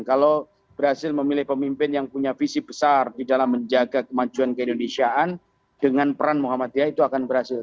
kalau berhasil memilih pemimpin yang punya visi besar di dalam menjaga kemajuan keindonesiaan dengan peran muhammadiyah itu akan berhasil